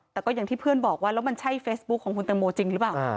แต่ก็อย่างที่เพื่อนบอกว่าแล้วมันใช่เฟซบุ๊คของคุณตังโมจริงหรือเปล่า